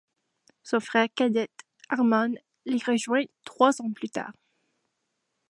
Son frère cadet, Armann l’y rejoint trois ans plus tard.